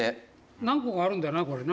「何個かあるんだよな、これな」